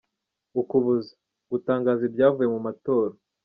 Ukuboza : Gutangaza ibyavuye mu matora;.